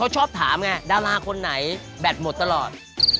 ชอบถามไงดาราคนไหนแบตหมดตลอด